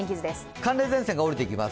寒冷前線が下りてきます。